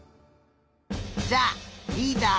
じゃあリーダー